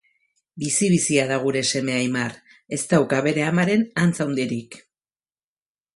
Bizi-bizia da gure seme Aimar; ez dauka bere amaren antz handirik!